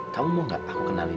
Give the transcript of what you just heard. kamu mau gak aku kenalin